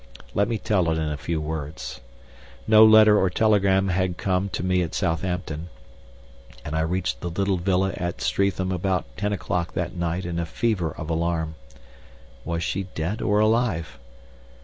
Let me tell it in a few words. No letter or telegram had come to me at Southampton, and I reached the little villa at Streatham about ten o'clock that night in a fever of alarm. Was she dead or alive?